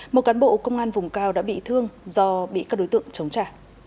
một cán bộ công an vùng cao đã bị thương do bị các đối tượng chống trả